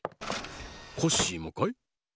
コッシーもかい？